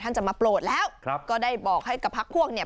ท่านจะมาโปรดแล้วครับก็ได้บอกให้กับพระพวกเนี้ย